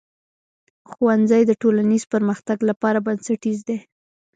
ښوونځی د ټولنیز پرمختګ لپاره بنسټیز دی.